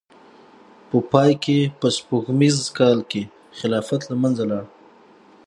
په پای کې په سپوږمیز کال کې خلافت له منځه لاړ.